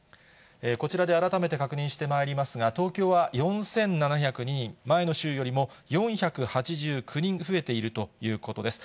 こちらで改めて確認してまいりますが、東京は４７０２人、前の週よりも４８９人増えているということです。